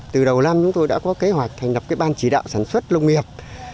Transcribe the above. từ đầu năm chúng tôi đã có kế hoạch thành đập ban chỉ đạo sản xuất lông nghiệp